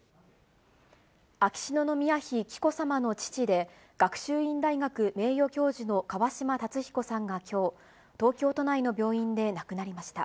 秋篠宮妃紀子さまの父で、学習院大学名誉教授の川嶋辰彦さんがきょう、東京都内の病院で亡くなりました。